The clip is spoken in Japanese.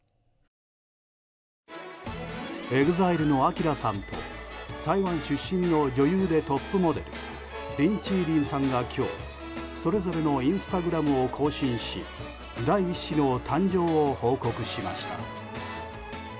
ＥＸＩＬＥのＡＫＩＲＡさんと台湾出身の女優でトップモデルリン・チーリンさんが今日それぞれのインスタグラムを更新し第一子の誕生を報告しました。